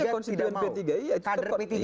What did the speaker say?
konstituen p tiga tidak mau